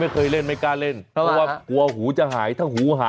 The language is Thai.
ทุกดอกทุกฉาก